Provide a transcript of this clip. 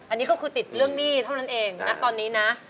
อันนี้ก็คือติดเรื่องหนี้เท่านั้นเองนะตอนนี้นะ